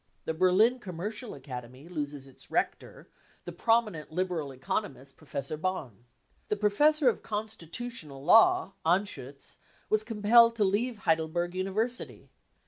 The Berlin Commercial Academy loses its rector, the prominent liberal economist Professor Bonn. The Professor „ constitutional Law, Anschutz, was compelled to leave Heidelberg University.